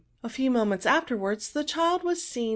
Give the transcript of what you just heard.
A few moments afterwards the child was seen NOtJKf).